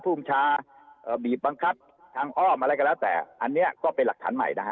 ภูมิชาบีบบังคับทางอ้อมอะไรก็แล้วแต่อันนี้ก็เป็นหลักฐานใหม่นะฮะ